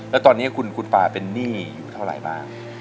แล้วตอนนี้คุณฟาเป็นหนี้อยู่เท่าไหร่บ้าง